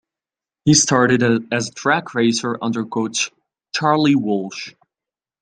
He started as a track racer under coach Charlie Walsh.